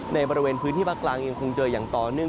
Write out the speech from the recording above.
ในบริเวณพื้นที่ภาคกลางยังคงเจออย่างต่อเนื่อง